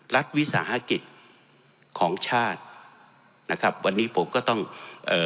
รัฐวิสาหกิจของชาตินะครับวันนี้ผมก็ต้องเอ่อ